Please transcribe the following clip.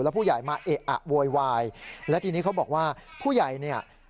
ผู้ใหญ่มาเอะอะโวยวายและทีนี้เขาบอกว่าผู้ใหญ่เนี่ย